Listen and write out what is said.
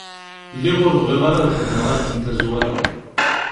Lliɣ ur bɣiɣ ara ad xedmeɣ akken tazwara.